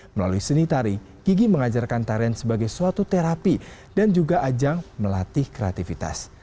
melalui seni tari gigi mengajarkan tarian sebagai suatu terapi dan juga ajang melatih kreativitas